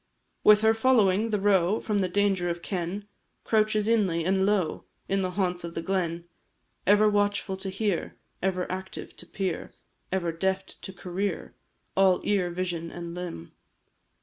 With her following, the roe From the danger of ken Couches inly, and low, In the haunts of the glen; Ever watchful to hear, Ever active to peer, Ever deft to career, All ear, vision, and limb.